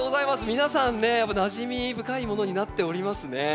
皆さんねやっぱなじみ深いものになっておりますね。